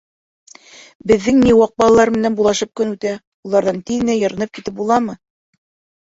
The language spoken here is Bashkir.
Беҙҙең ни ваҡ балалар менән булашып көн үтә, уларҙан тиҙ генә йырынып китеп буламы.